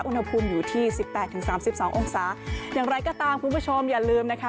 อุณหภูมิอยู่ที่สิบแปดถึงสามสิบสององศาอย่างไรก็ตามคุณผู้ชมอย่าลืมนะคะ